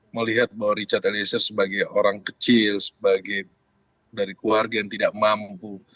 melihat bahwa richard eliezer sebagai orang kecil dari keluarga yang tidak mampu